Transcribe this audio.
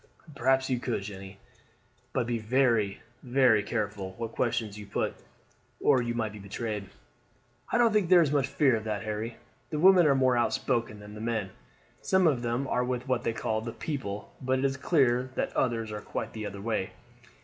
"Perhaps you could, Jeanne; but be very, very careful what questions you put, or you might be betrayed." "I don't think there is much fear of that, Harry. The women are more outspoken than the men. Some of them are with what they call the people; but it is clear that others are quite the other way.